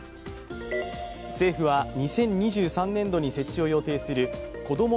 政府は２０２３年度に設置を予定するこども